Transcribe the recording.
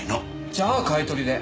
じゃあ買い取りで。